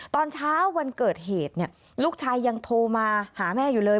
ตอนเช้าวันเกิดเหตุลูกชายยังโทรมาหาแม่อยู่เลย